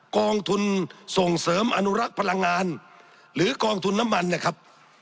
กองทุนส่งเสริมอนุรักษ์พลังงานหรือกองทุนน้ำมันนะครับ